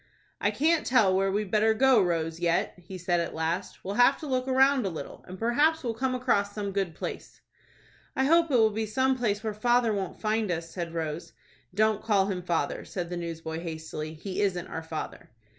"I can't tell where we'd better go, Rose, yet," he said at last. "We'll have to look round a little, and perhaps we'll come across some good place." "I hope it'll be some place where father won't find us," said Rose. "Don't call him father," said the newsboy, hastily. "He isn't our father."